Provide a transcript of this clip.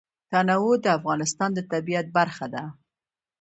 تنوع د افغانستان د طبیعت برخه ده.